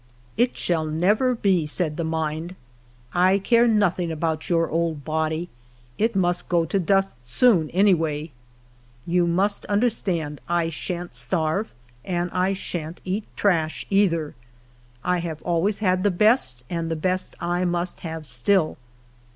" It shall never be," said the mind ;" I care nothing about your old body ; it must go to dust soon, any way. You must understand I sha'n't starve, and I sha'n't eat trash, either. I have always had the best, and the best 1 must have still.